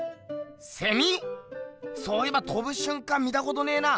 セミ⁉そういえばとぶしゅんかん見たことねえな。